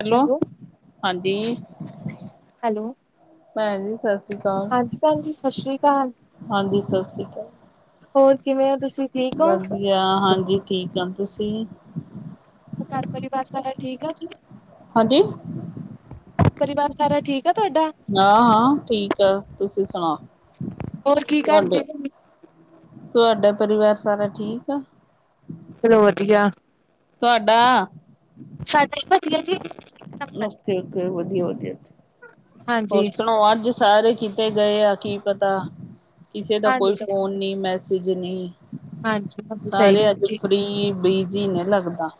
Hello, ਹਾਂਜੀ hello. ਭੈਨਜੀ ਜੀ ਸੱਸ ਹਾਂਜੀ ਭੈਨ ਜੀ, ਸਤਿ ਸ਼੍ਰੀ ਅਕਾਲ। ਹਾਂਜੀ, ਸਤਿ ਸ਼੍ਰੀ ਅਕਾਲ। ਹੋਰ, ਕਿਵੇਂ ਹੋ ਤੁਸੀਂ? ਠੀਕ ਹੋ? ਵਧੀਆ, ਹਾਂਜੀ ਠੀਕ ਆ। ਤੁਸੀਂ? ਘਰ ਪਰਿਵਾਰ, ਸਾਰਾ ਠੀਕ ਆ ਜੀ? ਹਾਂਜੀ? ਪਰਿਵਾਰ ਸਾਰਾ, ਠੀਕ ਆ ਤੁਹਾਡਾ? ਹਾਂ -ਹਾਂ ਠੀਕ ਆ, ਤੁਸੀਂ ਸੁਨਾਓ? ਹੋਰ, ਕੀ ਕਰਦੇ? ਤੁਹਾਡਾ, ਪਰਿਵਾਰ ਸਾਰਾ ਠੀਕ ਆ? ਚਲੋ ਵਧੀਆ। ਤੁਹਾਡਾ ਸ਼ਦ ਹੀ ਪਤੀ ਹੈ ਜੀ। ਨੰਬਰ ਹਾਂਜੀ। ਓਕੇ-ਓਕੇ ਵਧੀਆ-ਵਧੀਆ ਹੋਰ ਹਾਂਜੀ, ਸੁਣੋ ਅੱਜ ਸਾਰੇ। ਕਿਥੇ ਗਏ ਆ, ਕੀ ਪਤਾ' ਕਿਸੇ ਦਾ ਕੋਈ ਹਾਂਜੀ, ਫੋਨ ਨਹੀਂ, ਮੈਸੇਜ ਨਹੀਂ। ਹਾਂਜੀ ਸਹੀ ਸਾਰੇ ਅੱਜ, ਜੀ। ਫਰੀ ਬਿਜੀੀ ਨੇ ਲੱਗਦਾ।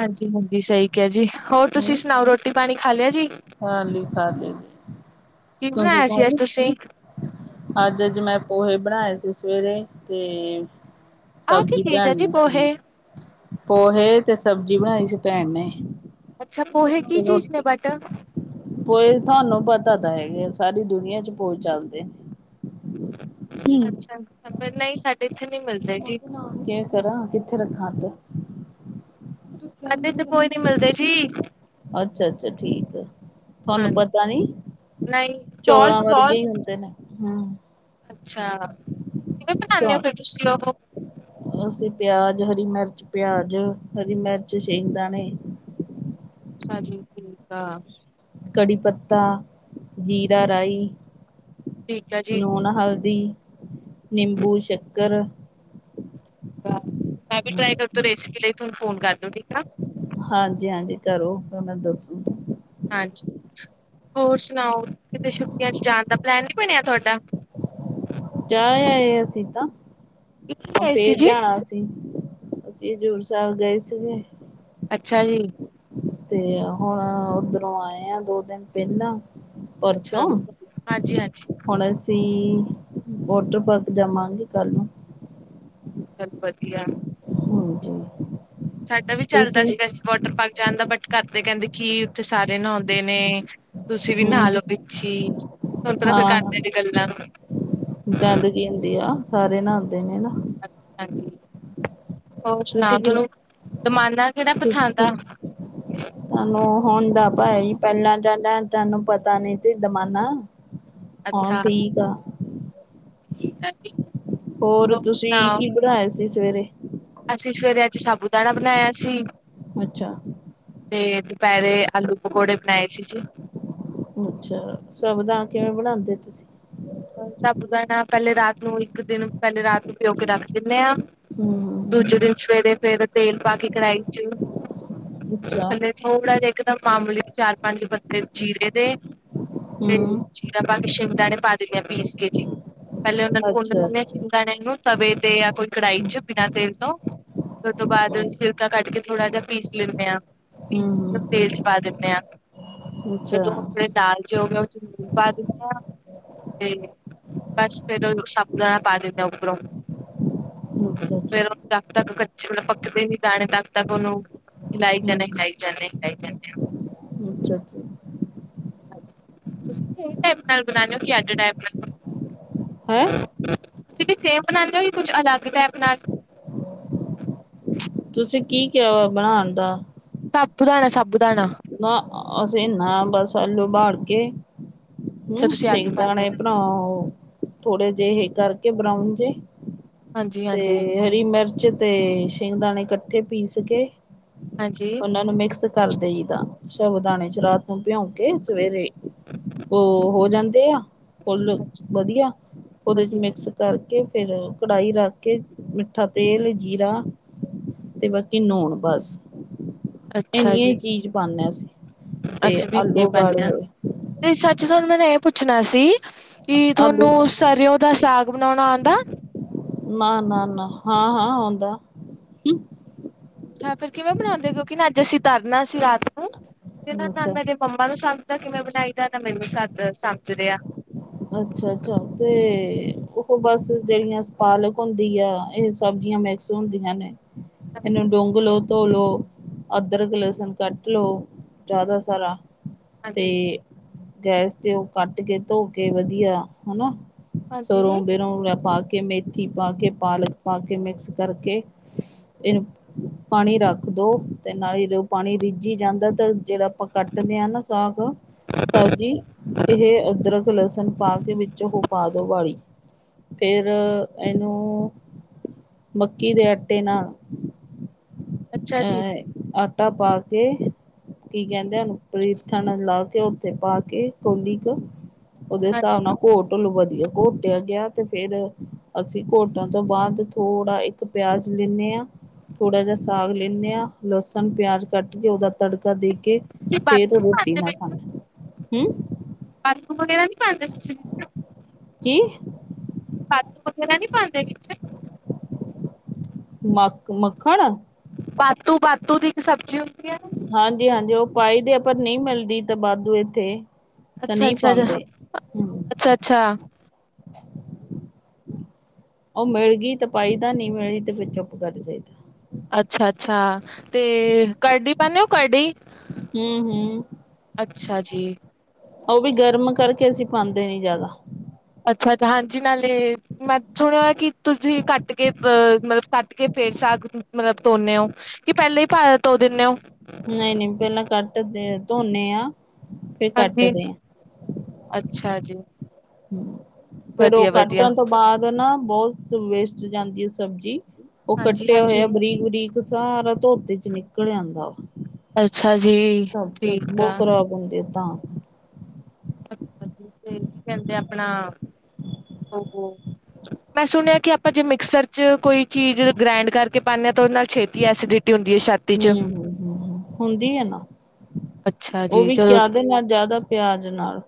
ਹਾਂਜੀ-ਹਾਂਜੀ ਸਹੀ ਕਿਹਾ, ਜੀ ਹੋਰ ਤੁਸੀਂ ਹਨਾ ਸੁਣਾਓ, ਰੋਟੀ ਪਾਣੀ ਖਾ ਲਿਆ ਜੀ? ਖਾਲੀ ਖਾਲੀ। ਕੀ ਤੁਸੀਂ ਬਣਾਇਆ ਸੀ ਖਾਂ ਅੱਜ ਲੀ? ਤੁਸੀਂ? ਅੱਜ ਜੋ ਮੈਂ ਪੋਹੇ ਬਣਾਏ ਸੀ ਸਵੇਰੇ ਤੇ ਆਹ ਕੀ ਸਬਜ਼ੀ ਚੀਜ਼ ਆ ਬਣਾਈ ਜੀ ਏ। ਪੋਹੇ? ਪੋਹੇ ਤੇ ਸਬਜ਼ੀ ਬਣਾਈ ਸੀ ਭੈਣ ਨੇ। ਅੱਛਾ। ਪੋਹੇ ਕੀ ਚੀਜ਼ ਨੇ ਬਟ? ਪੋਏ ਤੁਹਾਨੂੰ ਪਤਾ ਤਾਂ ਹੈਗੇ ਆ। ਸਾਰੀ ਦੁਨੀਆਂ ਚ ਪੋਏ ਚੱਲਦੇ। ਅੱਛਾ-ਅੱਛਾ। ਪਹਿਲਾ ਹੀ ਸੈੱਟ ਕਿ ਕਰਾਂ ਕਿੱਥੇ ਰੱਖਾਂ ਆੱਗੇ। ਸਾਡੇ ਇੱਥੇ ਪੋਹੇ ਨੀ ਮਿਲਦੇ ਜੀ, ਅੱਛਾ ਅੱਛਾ ਠੀਕ ਏ। ਤੁਹਾਨੂੰ ਹਾਂਜੀ। ਪਤਾ ਨੀ, ਨਹੀਂ ਚੌਲ, ਚੌਲਾਂ ਚੌਲ ਵਰਗੇ ਹੀ ਹੁੰਦੇ ਨੇ। ਹੂੰ ਅੱਛਾ। ਕਿਵੇਂ ਬਣਾਉਦੇ ਹੋ ਫਿਰ ਤੁਸੀਂ ਉਹੋ? ਅਸੀਂ ਪਿਆਜ, ਹਰੀ ਮਿਰਚ, ਪਿਆਜ, ਹਰੀ ਮਿਰਚ, ਸੇ਼ਗਦਾਨੇ। ਅੱਛਾ ਜੀ। ਠੀਕ ਆ। ਕੜੀ ਪੱਤਾ ਜੀਰਾ ਰਾਈ। ਠੀਕ ਆ ਜੀ। ਲੂਣ, ਹਲਦੀ, ਨਿੰਬੂ, ਸ਼ੱਕਰ। ਮੈਂ ਵੀ ਟਰਾਈ ਕਰਤੀ ਹੂੰ। ਰੇਸਿਪੀ ਲਈ ਫੋਨ ਫੋਨ ਕਰ ਦੋ ਠੀਕ ਹੈ। ਹਾਂਜੀ ਹਾਂਜੀ, ਕਰੋ ਫਿਰੈਂ ਮੇ ਦੱਸੂ। ਹਾਂਜੀ ਹੋਰ ਸੁਣਾਓ! ਕਿਤੇ ਛੁੱਟੀਆਂ ਚ ਜਾਣ ਦਾ ਪਲੈਨ ਨੀ ਬਣਿਆ ਤੁਹਾਡਾ? ਜਾ ਆਏ ਅਸੀਂ ਤਾਂ। ਅਬ ਗਏ ਸੀ ਫੇਰ ਜੀ। ਜਾਣਾ ਅਸੀਂ। ਅਸੀਂ ਹਜ਼ੂਰ ਸਾਹਿਬ ਗਏ ਸਿਗੇ। ਅੱਛਾ ਜੀ। ਤੇ ਹੁਣ ਓਧਰੋਂ ਆਏ ਆ ਦੋ- ਤਿੰਨ ਦਿਨ ਪਹਿਲਾਂ। ਅੱਛਾ, ਪਰਸੋਂ। ਹਾਂਜੀ-ਹਾਂਜੀ ਹੁਣ ਅਸੀਂ ਵੋਟਰ ਪਾਰਕ ਜਾਵਾਂਗੇ ਕੱਲ ਨੂੰ। ਚਲ ਵਧੀਆ। ਹਾਂਜੀ। ਸਾਡਾ ਵੀ ਚੱਲਦਾ ਤੁਸੀਂ ਸੀਗਾ ਵਾਟਰ ਪਾਰਕ ਜਾਣ ਦਾ। ਬਟ ਘਰਦੇ ਕਹਿੰਦੇ ਕੀ ਉੱਥੇ ਸਾਰੇ ਨਹਾਉਂਦੇ ਨੇ ਤੁਸੀਂ ਵੀ ਨਹਾ ਹੂੰ ਲਓ ਵਿੱਚੀ ਹੀ। ਤੁਹਾਨੂੰ ਪਤਾ ਫੇਰ ਹਾਂ ਘਰਦਿਆਂ ਦੀ ਗੱਲਾਂ। ਕਹਿੰਦੇ ਆ। ਸਾਰੇ ਨਹਾਣਦੇ ਨੇ ਨਾ। ਅੱਛਾ ਜੀ। ਹੋਰ ਸੁਣਾਓ ਤੁਸੀਂ ਕਿ ਤੁਹਾਨੂੰ ਦਮਾਲਾ ਕਿਹੜਾ ਤੁਸ ਪਸੰਦ ਆ? [inaudible] ਤੁਹਾਨੂੰ ਹੁਣ ਦਾ ਭਾਈ, ਪਹਿਲਾਂ ਜੱਦ ਤਾਨੂੰ ਪਤਾ ਨੀ ਸੀ ਦਮਾਲਾ। ਹੁਣ ਅੱਛਾ। ਠੀਕ ਆ। [inaudible] ਹੋਰ ਤੁਸੀਂ ਕੀ ਬਣਾਏ ਸੀ ਸਵੇਰੇ? ਅਸੀਂ ਸੁਵੇਰੇ ਅੱਜ ਸਾਬੂ ਦਾਣਾ ਬਣਾਇਆ ਸੀ। ਅੱਛਾ। ਤੇ ਦੁਪਹਿਰੇ ਆਲੂ ਪਕੌੜੇ ਬਣਾਏ ਸੀ ਜੀ। ਅੱਛਾ। ਸਾਬੂਦਾਨਾ ਕਿਵੇਂ ਬਣਾਉਂਦੇ ਤੁਸੀਂ। ਸਬੂ ਦਾਣਾ ਪਹਿਲੇ ਰਾਤ ਨੂੰ ਇੱਕ ਦਿਨ ਪਹਿਲੇ ਰਾਤ ਨੂੰ ਭਿਓ ਕੇ ਰੱੱਖ ਦਿੰਦੇ ਹਾਂ। ਹੂੰ। ਦੂਜੇ ਦਿਨ ਸਵੇਰੇ ਫੇਰ ਤੇਲ ਪਾ ਕੇ ਕਢਾਈ ਚ ਅੱਛਾ। ਥੱਲੇ ਥੋੜਾ ਜਿਆ ਇੱਕ ਦਮ ਮਾਮੂਲੀ ਚਾਰ -ਪੰਜ ਪੱਤੇ ਜੀਰੇ ਦੇ ਤੇ ਹੂੰ ਆਪਾਂ ਤੇ ਸਾਬੂਦਾਣੇ ਪਾ ਦੇਣੀ ਆ ਪੀਸ ਕੇ ਜੀ। ਪਹਿਲੇ ਉਹਨਾਂ ਨੂੰ ਭੁੰਨ ਅੱਛਾ ਲੈਣੇ ਆ। ਸਾਬੂਦਾਣੇ ਨੂੰ ਤਵੇ ਤੇ ਜਾਂ ਕੋਈ ਕੜਾਈ ਚ, ਅੱਛਾ ਬਿਨਾਂ ਤੇਲ ਤੋਂ ਫਿਰ ਉਹ ਤੋਂ ਬਾਅਦ ਛਿਲਕਾ ਕੱਟ ਕਰ ਕੇ ਥੋੜਾ ਜਿਆ ਪੀਸ ਲੈਣੇ ਆ। ਪੀਸ ਕੇ ਓ ਹੂੰ ਤੇਲ ਚ ਪਾ ਦੀਨੇ ਆ। ਅੱਛਾ ਤੇ ਜੋ ਅੱਛਾ ੳੱਦੇ ਨਾਲ ਚ ਓਦੇ ਚ ਲੂਣ ਪਾ ਦਿੰਦੇ ਆ। ਤੇ ਬਸ ਫੇਰ ਸ਼ਾਬੂ ਦਾਣਾ ਪਾ ਦੀਨੇ ਆ ਉਪਰੋ। ਅੱਛਾ ਜੀ। ਜਬ ਤੱਕ ਕੱਚੇ ਮਤਲਬ ਪੱਕਦੇ ਨੀ ਦਾਣੇ, ਤਦ ਤੱਕ ਉਹਨੂੰ ਹਿਲਾਈ ਜਾਣੇ, ਹਿਲਾਈ ਜਾਣੇ, ਹਿਲਾਈ ਜਾਣੇ ਆ। ਹੂ ਅੱਛਾ। ਤੁਸੀ ਵੀ ਓਹੀ ਟੈਮ ਨਾਲ ਬਨਾਣੇ ਹੋ ਕਿ ਅੱਡ ਟਾਈਮ ਨਾਲ? ਹੈਂ ਤੁਸੀ ਵੀ ਸੇਮ ਬਨਾਣੇ ਓ ਕਿ ਕੁੱਝ ਅਲੱਗ ਟੈਪ ਨਾਲ? ਤੁਸੀ ਕੀ ਕਿਆ ਵਾ ਬਣਾਣ ਦਾ? ਸਾਬੂਦਾਣਾ ਸਾਬੂਦਾਣਾ। ਨਾ ਅਸੀ ਨਾ ਬਸ ਆਲੂ ਬਾਲ ਕੇ। ਅੱਛਾ ਹੂ ਤੁਸੀਂ ਸਈ ਆਲੂ ਪਾਉਂਦੇ ਦਾਣੇ ਪਣਾਓ। ਥੋੜੇ ਜਿਹੇ ਇਹ ਕਰਕੇ ਹੋ ਬਰਾਊਨ ਜੇ। ਹਾਂਜੀ ਹਾਂਜ ਤੇ ਹਰੀ ਮਿਰਚ ਤੇ ਸ਼ਿੰਗ ਦਾਣੇ ਇਕੱਠੇ ਪੀਸ ਕੇ। ਹਾਂਜੀ। ਇਨਾ ਨੂੰ ਮਿਕਸ ਕਰ ਦਇਦਾ ਸ਼ਾਬੂ ਦਾਣੇ ਚ ਰਾਤ ਨੂੰ ਭਿਉਂ ਕੇ ਸਵੇਰੇ। ਉਹ ਹੋ ਜਾਂਦੇ ਆ ਫੁੱਲ ਵਧੀਆ ਉਹਦੇ ਚ ਹਾਂਜੀ ਮਿਕਸ ਤਰ ਕੇ ਫੇਰ ਕੜਾਈ ਰੱਖ ਕੇ ਮਿੱਠਾ ਤੇਲ ਜੀਰਾ ਤੇ ਬਾਕੀ ਨੂੰਨ ਬਸ। ਅੱਛਾ ਜੀ। ਪਾਣੇ ਆ ਅਸੀ ਤੇ ਅਸੀਂ ਵੀ ਆਲੂ ਨਹੀਂ ਪਾਉਂਦੇ ਉਬਾਲੇ ਹਾਂ ਹੋਏ। ਤੇ ਸੱਚ ਤੁਆਨੂੰ ਮੈਨੂੰ ਇਹ ਪੁੱਛਣਾ ਸੀ। ਕੀ ਆਲੂ ਥੋਨੂੰ ਸਰਿਓ ਦਾ ਸਾਗ ਬਣਾਉਣਾ ਆਂਦਾ? ਨਾ ਨਾ ਨਾ ਹਾਂ ਹਾਂ ਆਉਂਦਾ। ਹਾਂ ਫਿਰ ਕਿਵੇਂ ਬਣਾਉਂਦੇ? ਕਿਉਂਕਿ ਅੱਜ ਅਸੀਂ ਤਰਨਾ ਸੀ ਰਾਤ ਨੂੰ ਤੇ ਨਾਂ ਨਾਲ ਅੱਛਾ ਮੈਂ। ਮੰਮਾ ਨੂੰ ਸਮਝਦਾ ਕਿਵੇਂ ਬਣਾਈ ਦਾ ਤੇ ਨਾਂ ਮੈਨੂੰ ਸਮਝ ਰਿਹਾ। ਅੱਛਾ ਅੱਛਾ ਤੇ ਉਹ ਬਸ ਜਿਹੜੀਆਂ ਪਾਲਕ ਹੁੰਦੀ ਆ ਇਹ ਸਬਜ਼ੀਆਂ ਮੇ ਸੁਣ ਦੀਆਂ ਨੇ। ਹਾਂਜੀ ਇਹਨੂੰ ਡੂੰਘ ਲੋ ਧੋ ਲੋ ਅਦਰਕ ਲਸਣ ਕੱਟ ਲੋ। ਜ਼ਿਆਦਾ ਸਾਰਾ ਤੇ ਹਾਂਜੀ ਗੈਸ ਤੇ ਉਹ ਕੱਟ ਕੇ ਧੋ ਕੇ ਵਧੀਆ ਹਨਾ ਹਾਂਜੀ ਸਰੋਂ ਬਰੋਂ ਪਾ ਕੇ ਮੇ ਥੀ ਪਾ ਕੇ ਪਾਲਕ ਪਾ ਕੇ ਮਿਕਸ ਕਰਕੇ ਇਹ ਪਾਣੀ ਰੱਖ ਦੋ ਤੇ ਨਾਲ ਹੀ ਪਾਣੀ ਰੀਝੀ ਜਾਂਦਾ ਤਾਂ ਜਿਹੜਾ ਆਪਾ ਕੱਟਦੇ ਆ ਨਾ ਸਾਗ ਸਬਜ਼ੀ ਇਹ ਅਦਰਕ। ਤੇ ਲਸਣ ਪਾ ਕੇ ਵਿੱਚ ਉਹ ਪਾਦੋ ਵਾੜੀ। ਫੇਰ ਇਹਨੂੰ ਮੱਕੀ ਦੇ ਆਟੇ ਨਾ ਅੱਛਾ ਜੀ ਅ ਆਟਾ ਪਾ ਕੇ ਕੀ ਕਹਿੰਦੇ ਉਹਨੂੰ ਪਲੈਥਣ ਲਾ ਕੇ ਉੱਥੇ ਪਾ ਕੇ ਕੋਲੀ ਕ। ਉਹਦੇ ਹਾਂਜੀ ਹਿਸਾਬ ਨਾਲ ਘੋਟ ਲੋਂ ਵਧੀਆ ਘੋਟਿਆ ਗਿਆ ਤੇ ਫਿਰ ਅਸੀਂ ਘੋਟਣ ਤੋਂ ਬਾਅਦ ਥੋੜ੍ਹਾ ਏਕ ਪਿਆਜ ਲੈਣੇ ਆ। ਥੋੜ੍ਹਾ ਜਿਆ ਸਾਗ ਲੈਣੇ ਆ ਲਸਣ ਪਿਆਜ ਕੱਟ ਕੇ ਉਹਦਾ ਤੜਕਾ ਦੇ ਕੇ ਤੁਸੀਂ ਬਾਥੂ ਫੇਰ ਨੀ ਰੋਟੀ ਪਾਉਂਦੇ ਨਾ ਖਾਣੇ ਆ ਹੂ। ਆਲੂ ਵਗੈਰਾ ਨੀ ਪਾਂਦੇ ਤੁਸੀ? ਕਿ? ਕਾਜੂ ਵਗੈਰਾ ਨੀ ਪਾਉਂਦੇ ਵਿੱਚ? ਮ ਮੱਖਣ? ਪਾਤੂ ਪਾਤੂ ਦੀ ਇੱਕ ਸਬਜ਼ੀ ਹੁ ਹਾਂਜੀ ਹਾਂਜੀ ਉਹ ਪਾਈਦੇ ਦੇ ਪਰ ਨਹੀਂ ਮਿਲਦੀ ਤਾਂ ਵਾਧੂ ਇੱਥੇ। ਤਾਂ ਅੱਛਾ ਨਹੀਂ ਅੱਛਾ। ਅੱ ਪਾਉਂਦੇ ਹਮ ਅੱਛਾ ਅੱਛਾ। ਉਹ ਮਿਲ ਗਈ ਤਾਂ ਪਾਈਦਾ ਨਹੀਂ ਮਿਲੀ ਤੇ ਫਿਰ ਚੁੱਪ ਕਰ ਜਾਈਦਾ। ਅੱਛਾ ਅੱਛਾ ਤੇ ਕਰਡੀ ਪਾਉਦੇ ਹੋ ਕਰਡੀ? ਹੂ ਹੂ। ਅੱਛਾ ਜੀ। ਉਹ ਵੀ ਗਰਮ ਕਰਕੇ ਅਸੀਂ ਪਾਉਂਦੇ ਨੀ ਜਿਆਦਾ। ਅੱਛਾ ਤੇ ਹਾਂਜੀ ਨਾਲੇ ਮੈਂ ਸੁਣਿਆ ਕਿ ਤੁਸੀਂ ਕੱਟ ਕੇ ਅ ਮਤਲਬ ਕੱਟ ਕੇ ਫੇਰ ਸਾਗ ਮਤਲਬ ਧੋਣਦੇ ਹੋ? ਕਿ ਪਹਿਲਾਂ ਹੀ ਭਾ ਧੋ ਦਿੰਦੇ ਹੋ? ਨਹੀਂ -ਨਹੀਂ ਪਹਿਲਾਂ ਕੱਟ ਦੇ, ਧੋਦੇਂ ਆ। ਫਿਰ ਹਾਂਜੀ। ਕੱਟਦੇ ਆ ਅੱਛਾ ਜੀ। ਫੇਰ ਉਹ ਵਧੀਆ ਵਧੀਆ ਕੱਟਣ ਤੋਂ ਬਾਅਦ ਇਕ ਨਾ ਬਹੁਤ ਵੇਸਟ ਜਾਂਦੀ ਹੈ ਸਬਜ਼ੀ, ਉਹ ਹਾਂਜੀ ਕੱਟੇ ਹੋਏ ਹਾਂਜੀ ਆ ਬਰੀਕ- ਬਰੀਕ ਸਾਰਾ ਧੋਪ ਚ ਨਿਕਲ ਜਾਂਦਾ ਵ, ਅੱਛਾ ਜੀ ਸਬਜੀ ਠੀਕ ਬਹੁਤ ਆ ਖ਼ਰਾਬ ਹੁੰਦੇ ਆ ਤਾਂ। ਤੇ ਕੀ ਕਹਿੰਦੇ ਆ ਆਪਣਾ, ਉਹ ਮੈਂ ਸੁਣਿਆ ਕਿ ਆਪਾਂ ਜੇ ਮਿਕਸਰ ਚ ਕੋਈ ਚੀਜ਼ ਗ੍ਰੈਂਡ ਕਰਕੇ ਪਾਉਂਦੇ ਹਾਂ ਤਾਂ ਉਹਦੇ ਨਾਲ ਛੇਤੀ ਐਸਡਿ- ਹਮ ਹ, ਹਮ ਹ ਹੁੰਦੀ ਆ ਨਾ? ਅੱਛਾ ਉਹ ਜੀ ਵੀ ਚਲੋ ਕਾਹਦੇ ਨਾਲ ਜ਼ਿਆਦਾ ਪਿਆਜ ਨਾਲ,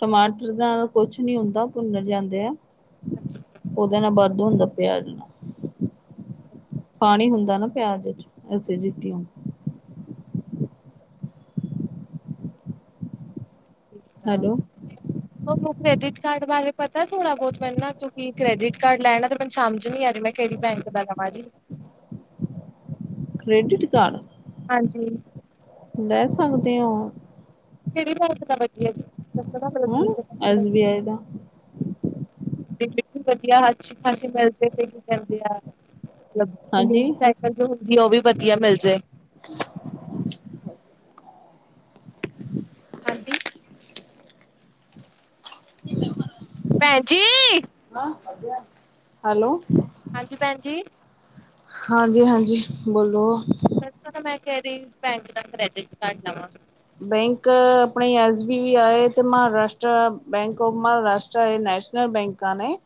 ਟਮਾਟਰ ਅੱਛਾ ਨਾਲ। ਕੁਛ ਨੀ ਹੁੰਦਾ ਭੁੰਨਰ ਜਾਂਦੇ ਆ, ਉਹਦੇ ਨਾਲ ਵੱਧ ਹੁੰਦਾ ਪਿਆਜ਼ ਅੱਛਾ ਅੱਛਾ ਪਾਣੀ ਹੁੰਦਾ ਨਾ ਪਿਆਜ 'ਚ ਐਸੀ ਜਿਤੀ ਨਾਂ। ਹੈਲੋ [inaudible] ਉਹਨੂੰ ਕ੍ਰੈਡਿਟ ਕਾਰਡ ਬਾਰੇ ਪਤਾ ਥੋੜਾ ਬਹੁਤ ਮੈਨੂੰ ਨਾ ਕਿਉਂਕਿ ਕ੍ਰੈਡਿਟ ਕਾਰਡ ਲੈਣਾ ਤੇ ਮੈਨੂੰ ਸਮਝ ਨੀ ਆ ਰਹੀ ਮੈਂ ਕਿਹੜੀ ਬੈਂਕ [unintelligible] ਕ੍ਰੈਡਿਟ ਕਾਰਡ? ਹਾਂਜੀ। ਦੈ, ਸਕਗਦੇ ਹੋ। ਕਿਹੜੀ ਹੱਥ ਦਾ, ਵੱਜਿਆ ਜੀ, ਤੁਸੀਂ ਹੁਣ ਐਸ ਦੱਸੋ। ਬੀ ਆਈ ਦਾ ਬਿਲਕੁਲ, ਵਧੀਆ, ਅੱਛੀ ਖ਼ਾਸੀ ਮਿਲ ਜੇ। ਕੀ ਕਹਿੰਦੇ, ਆ ਮਤਲਬ ਹਾਂਜੀ ਲਿੰਕ ਸਾਈਕਲ ਜੋ ਹੁੰਦੀ ਆ। ਉਹ ਵੀ ਵਧੀਆ ਮਿਲ ਜਾਏ। ਹਾਂਜੀ, [inaudible] [inaudible] ਭੈਣ, ਜੀ ਹੈਲੋ? ਹਾਂਜੀ ਭੈਣਜੀ। ਹਾਂਜੀ, ਹਾਂਜੀ ਬੋਲੋ। ਤਾਂ ਮੈਂ ਕਹਿ ਰਹੀ, ਬੈਂਕ ਦਾ ਕ੍ਰੈਡਿਟ ਕਾਰਡ ਲਵਾਂ ਬੈਂਕ ਆਪਣੇ ਐਸ ਬੀ ਬੀ ਆਏ ਤੇ Maharashtra bank of Maharashtra nation ਬੈਂਕਾਂ ਨੇ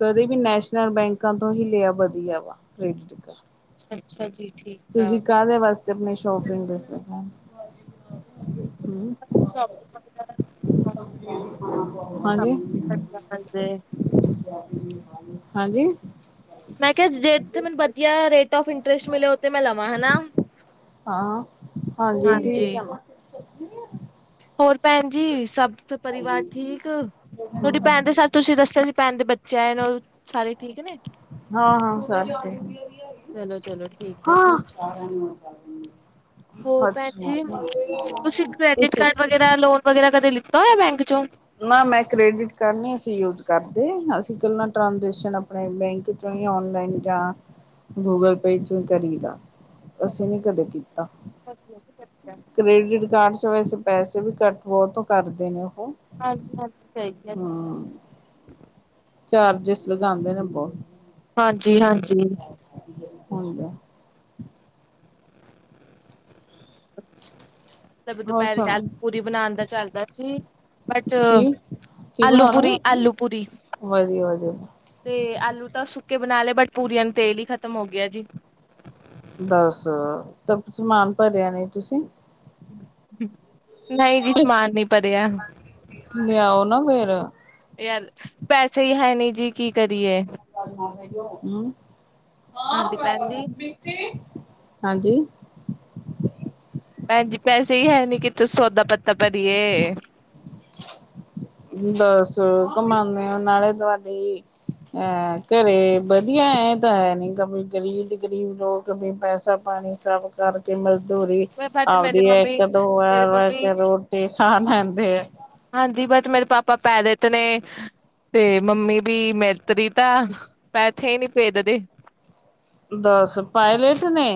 ਕਦੇ ਵੀ ਨੈਸ਼ਨਲ ਬੈਂਕਾਂ ਤੋਂ ਹੀ ਲਿਆ ਵਧੀਆ ਵਾ, ਕ੍ਰੇਡਿਟ ਕਾਰਡ। ਅੱਛਾ, ਅੱਛਾ ਜੀ ਠੀਕ। ਆ। ਤੁਸੀਂ ਕਾਹਦੇ ਵਾਸਤੇ ਆਪਣੀ ਸ਼ੋਪਿੰਗ ਕਰਨੀ ਸ਼ੋਪਿੰਗ ਵਗੈਰਾ ਦਾ ਵੀ ਮਿਲ ਜੇ, ਹੈ? ਸਭ ਹਾਂਜੀ। ਵਧੀਆ ਮਿਲ ਜੇ। ਹਾਂਜੀ? ਮੈਂ ਕਿਹਾ, ਜੇ ਉੱਥੇ ਮੈਨੂੰ ਵਧੀਆ, ਰੇਟ ਆਫ ਇੰਟਰਸਟ ਮਿਲੇ ਉੱਥੇ ਮੈਂ, ਲਵਾਂ ਹਨਾ। ਹਾਂ ਹਾਂਜੀ, [inaudible] ਹੋਰ ਭੈਣ ਜੀ, ਸਭ ਪਰਿਵਾਰ ਠੀਕ, ਤੁਹਾਡੀ ਭੈਣ ਦੇ ਸੱਚ ਤੁਸੀਂ ਦੱਸਿਆ ਸੀ। ਭੈਣ ਦੇ ਬੱਚੇ ਆਏ ਨੇ, ਉਹ ਸਾਰੇ ਠੀਕ ਨੇ, ਹਾਂ, ਹਾਂ, ਸਾਰੇ ਠੀਕ ਚਲੋ-ਚਲੋ ਠੀਕ ਆ ਜੀ। ਹੋਰ ਭੈਣ ਅੱਛਾ, ਇਹਦਾ ਲੋਨ ਵਗੈਰਾ, ਕਦੇ ਲਿਤਾ ਹੋਇਆ। ਬੈਂਕ, ਚੋਂ ਨਾ ਮੈਂ ਕ੍ਰੇਡਿਟ ਕਾਰਡ ਨਹੀਂ, ਅਸੀਂ ਯੂਜ ਕਰਦੇ, ਅਸੀਂ ਇਕੱਲਾਂ ਟ੍ਰਾਂਜੈਕਸ਼ਨ, ਆਪਣੇ ਬੈਂਕ ਔਨਲਾਈਨ ਜਾਂ ਗੂਗਲ, ਪੇ 'ਚ' ਹੀ ਕਰੀਦਾ। ਅਸੀਂ ਨੀ, ਕਦੇ ਕੀਤਾ। ਪਸੱਚ, [unintelligible] ਕ੍ਰੈਡਿਟ ਕਾਰਡ'ਚ ਵੈਸੇ ਪੈਸੇ ਵੀ ਘੱਟ ਬਹੁਤ ਕਰਦੇ ਨੇ, ਉਹ। ਹਾਂਜੀ-ਹਾਂਜੀ, ਸਹੀ ਕਿਆ। ਹਮ ਚਾਰਜਿਸ ਲਗਾਂਦੇ ਨੇ, ਬਹੁਤ। ਹਾਂਜੀ-ਹਾਂਜੀ। ਹਣਜੀ, [unintelligible] ਮਤਲਬ ਹੋਰ ਦੁਪਹਿਰੇ, ਸੁਣੋ ਆਲੂ-ਪੂਰੀ ਬਣਾਣ ਦਾ ਚੱਲਦਾ ਸੀ, ਬਟ ਕੀ ਕੀ ਬਣਾਉਣਾ ਆਲੂ-ਪੂਰੀ, ਆਲੂ-ਪੂਰੀ। ਵਧੀਆ ਵਧੀਆ ਤੇ ਆਲੂ ਤਾਂ ਸੁੱਕੇ ਬਣਾ ਲਏ, ਬਟ ਪੂਰੀਆਂ ਨੂੰ ਤੇਲ ਹੀ ਖ਼ਤਮ ਹੋਗਿਆ ਜੀ। ਦੱਸ--ਤਾ ਸਮਾਨ ਭਰਿਆ ਨਹੀਂ, ਤੁਸੀ? ਨਹੀਂ ਜੀ, ਸਮਾਨ ਨੀ ਭਰਿਆ। ਲਿਆਓ ਨਾ, ਫੇਰ। ਯਾਰ, ਪੈਸੇ ਹੀ ਹੈਨੀ ਜੀ, ਕੀ ਕਰੀਏ? ਹੂੰ ਹਾਂਦੀ, ਭੈਣਜੀ। ਹਾਂਜੀ। ਭੈਣ ਜੀ ਪੈਸੇ ਹੀ ਹੈਨੀ, ਕਿਥੋ ਸੌਦਾ-ਪੱਤਾ ਭਰੀਏ। ਦੱਸ, ਕੰਮਾਨੇ ਓ, ਨਾਲੇ ਤੁਹਾਡੀ ਐ--ਘਰੇ ਵਧੀਆ, ਐਂ ਤਾਂ ਹੈਨੀ ਕ ਗਰੀਬ ਤੋ ਗਰੀਬ ਲੋਕ ਵੀ ਪੈਸਾ, ਪਾਣੀ ਸਭ ਕਰ ਕਿ ਮਜ਼ਦੂਰੀ ਬਟ ਮੇਰੀ ਆਵਦੀ ਹੈ ਮੰਮੀ ਇੱਕ-ਦੋ ਮੇਰੀ ਵਾਰ ਮੰਮੀ ਰੋਟੀ ਖਾ ਲੈਂਦੇ ਆ। ਹਾਂਦੀ, ਬਟ ਮੇਰੇ ਪਾਪਾ ਪੈਰਤ ਨੇ, ਤੇ ਮੰਮੀ ਵੀ ਮੇ ਤ ਰੀਤਾ ਪੈਥੇ ਹੀ ਨੀ ਭੇਦਦੇ। ਦਸ! ਪਾਇਲਟ ਨੇ,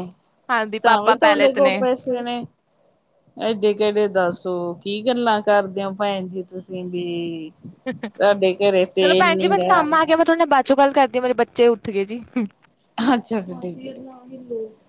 ਹਾਂਜੀ ਤਾਂ ਵੀ ਪਾਪਾ ਪੈ ਤੁਹਾਡੇ ਲੇਤੇ ਕੋਲ ਨੇ ਪੈਸੇ ਨੇ। ਇਹਡੇ, ਕਿਹੜੇ ਦੱਸੋ ਕੀ ਗੱਲਾਂ ਕਰਦੇ ਹੋ ਭੈਣ ਜੀ, ਤੁਸੀਂ ਵੀ। ਸਾਡੇ ਘਰੇ ਤੇਲ ਨੀਂਗਾ। ਠੀਕ ਆ, ਮੈ ਥੁਹਾਡੇ ਨਾਲ ਬਾਅਦ'ਚੋਂ ਗੱਲ ਕਰਦੀ ਆਂ, ਮੇਰੇ ਬੱਚੇ ਉੱਠ ਗਏ ਜੀ। ਅੱਛਾ-ਅੱਛਾ, ਠੀਕ ਏ।